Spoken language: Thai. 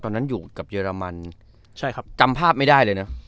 ตอนนั้นอยู่กับเยอรมันใช่ครับจำภาพไม่ได้เลยนะ